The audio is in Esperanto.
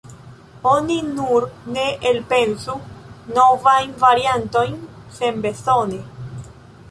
Oni nur ne elpensu novajn variantojn senbezone.